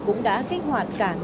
cũng đã kích hoạt cảnh sát